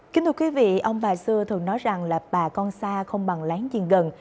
kính thưa quý vị ông bà xưa thường nói rằng là bà con xa không bằng láng gì gần